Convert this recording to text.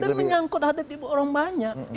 dan menyangkut ada ribu orang banyak